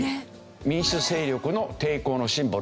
民主勢力の抵抗のシンボル